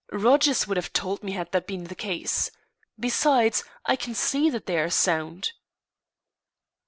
Rogers would have told me had that been the case. Besides, I can see that they are sound."